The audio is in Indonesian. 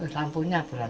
lampunya bulan satu